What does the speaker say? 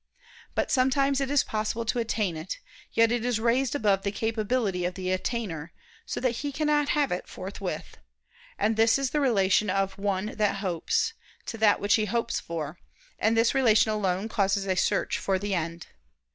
But sometimes it is possible to attain it, yet it is raised above the capability of the attainer, so that he cannot have it forthwith; and this is the relation of one that hopes, to that which he hopes for, and this relation alone causes a search for the end.